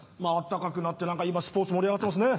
暖かくなって今スポーツ盛り上がってますね。